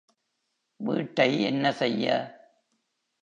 வீட்டை என்ன செய்ய?